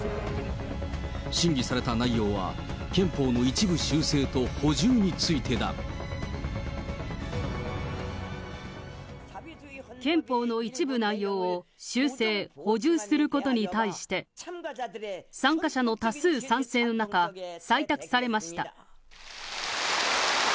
審議された内容は、憲法の一部修正と補充についてだ。憲法の一部内容を修正・補充することに対して、参加者の多数賛成の中、採択されました。